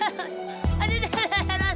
tidak tidak tidak